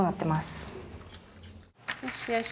よしよし。